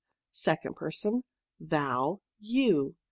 Second Person, Thou, You.